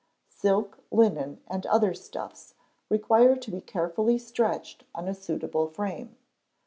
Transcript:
Silk, linen, and other stuffs require to be carefully stretched on a suitable frame.